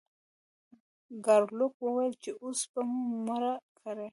ګارلوک وویل چې اوس به مو مړه کړئ.